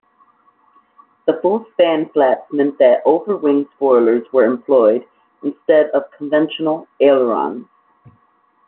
The full-span flaps meant that over-wing spoilers were employed, instead of conventional ailerons.